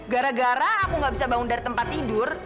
gara gara aku gak bisa bangun dari tempat tidur